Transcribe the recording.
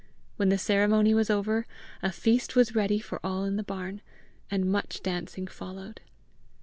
When the ceremony was over, a feast was ready for all in the barn, and much dancing followed.